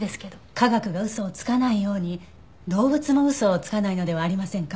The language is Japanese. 科学が嘘をつかないように動物も嘘をつかないのではありませんか？